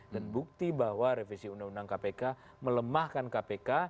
dan bukti bahwa revisi undang undang kpk melemahkan kpk